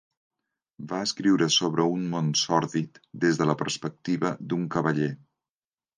Va escriure sobre un món sòrdid des de la perspectiva d'un cavaller.